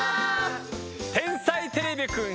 「天才てれびくん」